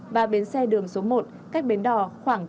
và bến xe đường số một cách bến đỏ khoảng tám trăm linh mét